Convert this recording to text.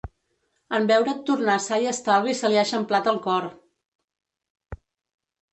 En veure't tornar sa i estalvi se li ha eixamplat el cor!